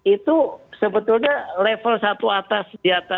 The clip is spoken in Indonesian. itu sebetulnya level satu atas